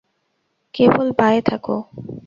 কেবল বায়ে থাক।